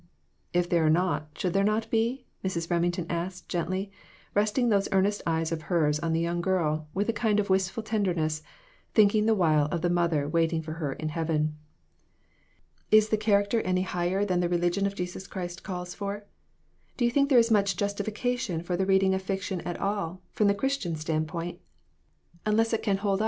"If there are not, should there not be?" Mrs. Remington asked, gently, resting those earnest eyes of hers on the young girl, with a kind of wistful tenderness, thinking the while of the mother waiting for her in heaven. "Is the character any higher than the religion of Jesus Christ calls for? Do you think there is much justification for the reading of fiction at all, from the Christian standpoint, unless it can hold CHARACTER STUDIES.